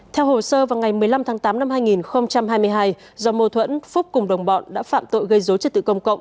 theo hồ sơ vào ngày một mươi năm tháng tám năm hai nghìn hai mươi hai do mô thuẫn phúc cùng đồng bọn đã phạm tội gây dối trật tự công cộng